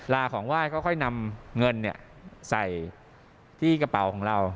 ลาของไหว้ก็ค่อยนำเงินใส่ที่กระเป๋าของเรา